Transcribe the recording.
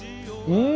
うん！